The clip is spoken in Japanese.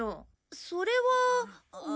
それは。